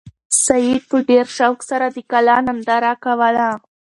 سعید په ډېر شوق سره د کلا ننداره کوله.